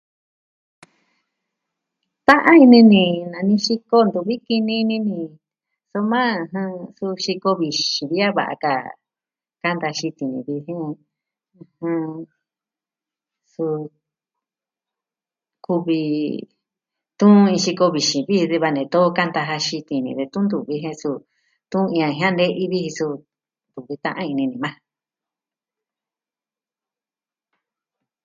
Ta'an ini ni nanii xiko ntuvi kini ini ni, soma su xiko vixin vi a va'a ka, kanta xitin ni, ɨjɨn, suu kuvi detun iin xiko vixin viji de va ne too kanta ja xitin ni detun ntuvi jen suu. Tun iin a jia'an ne'i viji suu. Ntuvi ta'an ini ni majan.